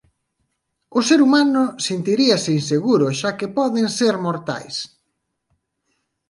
O ser humano sentiríase inseguro xa que poden ser mortais.